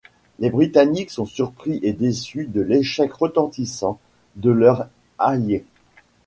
Les Britanniques sont surpris et déçus de l’échec retentissant de leur allié.